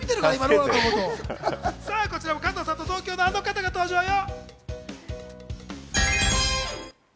こちらも加藤さんと同郷のあの方が登場よ！